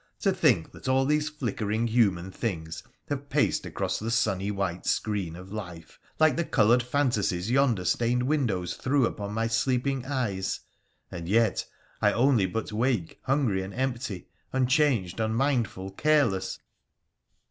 to think that all these flickering human things have paced across the sunny white screen of life — like the coloured fantasies yonder stained windows threw upon my sleeping eyes — and yet I only but wake hungry and empty, unchanged, unmindful, careless!